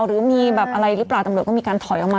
หรือมีแบบอะไรหรือเปล่าตำรวจก็มีการถอยออกมา